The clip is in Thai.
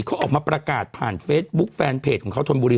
เขาออกมาประกาศผ่านเฟซบุ๊คแฟนเพจของเขาธนบุรี